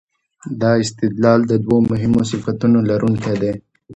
دا استدلال د دوو مهمو صفتونو لرونکی دی.